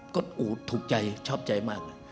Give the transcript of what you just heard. ก็ถูกใจชอบใจมากเลย